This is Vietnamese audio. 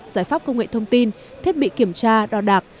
giải pháp công nghệ thông tin thiết bị kiểm tra đo đạc